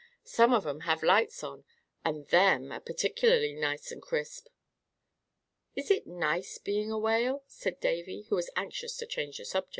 Some of 'em have lights on 'em, and them are particularly nice and crisp." "Is it nice being a Whale?" said Davy, who was anxious to change the subject.